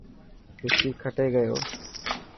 رشي کٽي گيو.